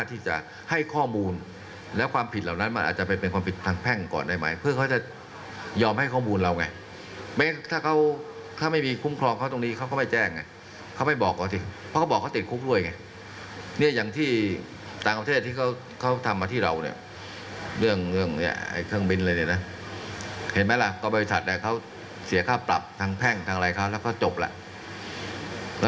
แต่เขาเสียค่าปรับทางแพ่งทางอะไรครับแล้วก็จบแหละ